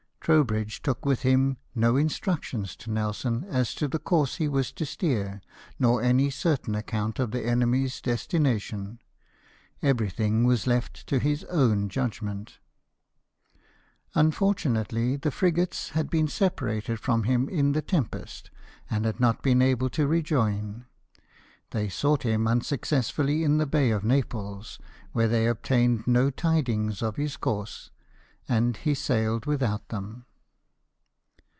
Trowbridge took with hnn no instructions to Nelson as to the course he was to steer, nor any certain account of the enemy's des tination ; everything was left to his own judgment. Unfortunately, the frigates had been separated from IN PURSUIT OF THE FRENCH. 131 him in the tempest, and had not been able to rejoin ; they sought him unsuccessfully in the Bay of Naples, where they obtained no tidings of his course, and he sailed without them.